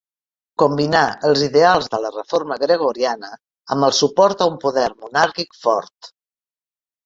Combinà els ideals de la Reforma Gregoriana amb el suport a un poder monàrquic fort.